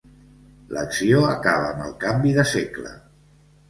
L'acció acaba amb el canvi de segle.